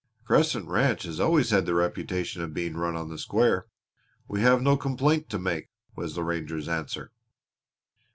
"Crescent Ranch has always had the reputation of being run on the square. We have no complaint to make," was the ranger's answer.